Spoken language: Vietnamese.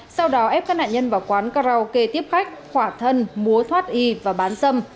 sau đó ép các nạn nhân vào quán karaoke tiếp khách khỏa thân mua thoát y và bán xâm